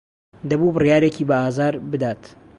دەبوو بڕیارێکی بەئازار بدات.